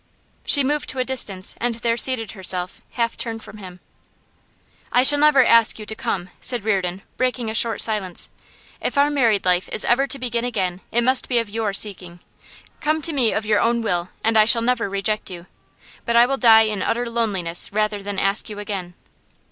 She moved to a distance, and there seated herself, half turned from him. 'I shall never ask you to come,' said Reardon, breaking a short silence. 'If our married life is ever to begin again it must be of your seeking. Come to me of your own will, and I shall never reject you. But I will die in utter loneliness rather than ask you again.